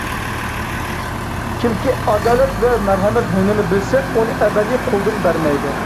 كىمكى ئادالەت ۋە مەرھەمەت ھۈنىرىنى بىلسە، ئۇنى ئەبەدىي قولىدىن بەرمەيدۇ.